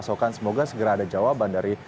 sokan semoga segera ada jawaban dari